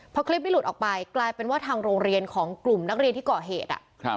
พอคลิปนี้หลุดออกไปกลายเป็นว่าทางโรงเรียนของกลุ่มนักเรียนที่ก่อเหตุ